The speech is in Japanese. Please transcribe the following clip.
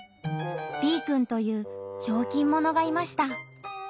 Ｂくんというひょうきんものがいました。